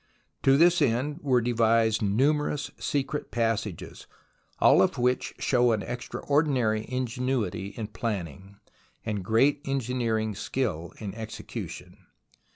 To this end were devised numerous secret passages, all of which show an extraordinary ingenuity in planning, and great engineering skill in execution.